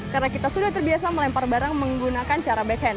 karena kita sudah terbiasa melempar barang menggunakan cara backhand